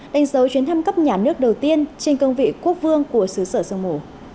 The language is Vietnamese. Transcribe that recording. đánh dấu chuyến thăm cấp nhà nước đầu tiên trên cương vị quốc vương của xứ sở sương mù